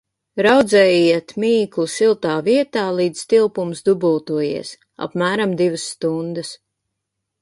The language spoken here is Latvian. Raudzējiet mīklu siltā vietā, līdz tilpums dubultojies – apmēram divas stundas.